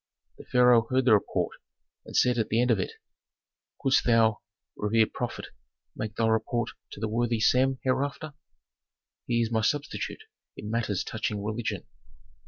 The pharaoh heard the report, and said at the end of it, "Couldst thou, revered prophet, make thy report to the worthy Sem hereafter? He is my substitute in matters touching religion."